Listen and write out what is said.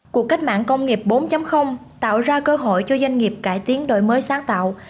cuộc cách mạng công nghiệp bốn tạo ra cơ hội cho doanh nghiệp cải tiến đổi mới sáng tạo